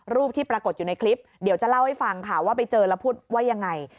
รูปที่ปรากฏอยู่ในคลิปเดี๋ยวจะเล่าให้ฟังค่ะว่าไปเจอแล้วพูดว่ายังไง